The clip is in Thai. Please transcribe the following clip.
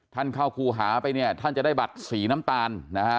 คุณจะเข้าหาท่านจะได้บัตรสีน้ำตาล